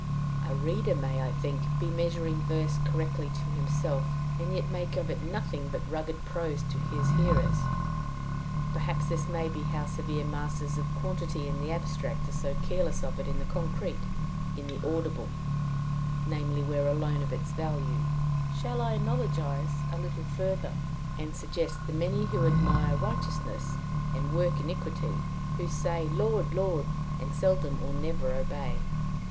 A reader may, I think, be measuring verse correctly to himself, and yet make of it nothing but rugged prose to his hearers. Perhaps this may be how severe masters of quantity in the abstract are so careless of it in the concrete in the audible, namely, where alone it is of value. Shall I analogize yet a little further, and suggest the many who admire righteousness and work iniquity; who say, "Lord, Lord," and seldom or never obey?